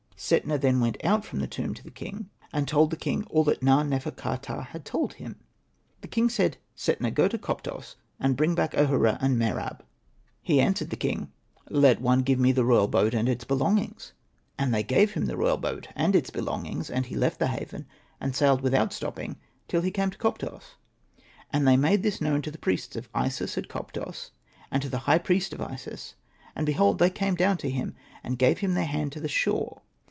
Setna then went out from the tomb to the king, and told the king all that Na.nefer.ka.ptah had told him. The king said, "Setna, go to Koptos and bring back Ahura and Mer ab,'' He Hosted by Google ii6 SETNA AND THE MAGIC BOOK answered the king, '' Let one give me the royal boat and its belongings/' And they gave him the royal boat and its belongings, and he left the haven, and sailed without stopping till he came to Koptos. And they made this known to the priests of Isis at Koptos and to the high priest of Isis ; and behold they came down to him, and gave him their hand to the shore.